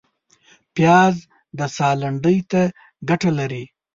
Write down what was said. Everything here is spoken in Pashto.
پیاز د ساه لنډۍ ته ګټه لري